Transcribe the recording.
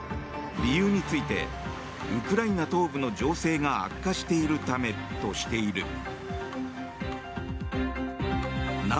理由についてウクライナ東部の情勢が悪化しているためとしている。